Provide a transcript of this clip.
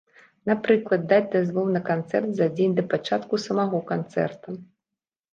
Напрыклад, даць дазвол на канцэрт за дзень да пачатку самога канцэрта.